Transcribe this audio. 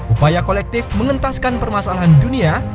upaya kolektif mengentaskan permasalahan dunia